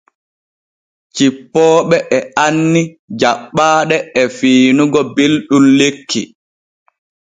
Cippooɓe e anni jaɓɓaaɗe e fiinigo belɗum lekki.